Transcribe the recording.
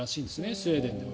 スウェーデンでも。